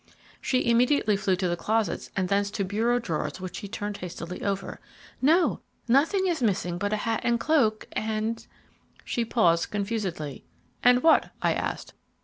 She immediately flew to the closets and thence to bureau drawers which she turned hastily over. "No, nothing is missing but a hat and cloak and " She paused confusedly. "And what?" I asked.